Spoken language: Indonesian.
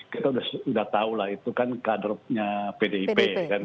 kita sudah tahu lah itu kan kadernya pdip